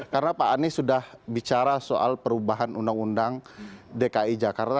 karena pak anies sudah bicara soal perubahan undang undang dki jakarta